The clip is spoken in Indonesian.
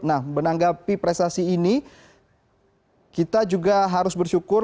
nah menanggapi prestasi ini kita juga harus bersyukur